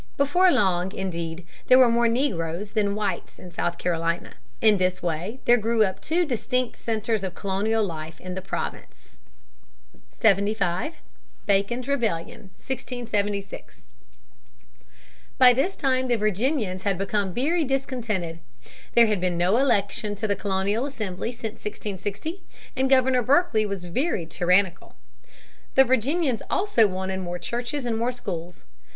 Before long, indeed, there were more negroes than whites in southern Carolina. In this way there grew up two distinct centers of colonial life in the province. [Illustration: Southern Carolina.] [Sidenote: Indian war.] [Sidenote: Bacon's Rebellion, 1676.] 75. Bacon's Rebellion, 1676. By this time the Virginians had become very discontented. There had been no election to the colonial assembly since 1660 and Governor Berkeley was very tyrannical. The Virginians also wanted more churches and more schools.